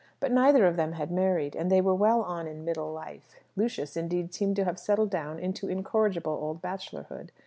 But neither of them had married; and they were well on in middle life. Lucius, indeed, seemed to have settled down into incorrigible old bachelorhood.